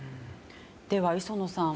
では磯野さん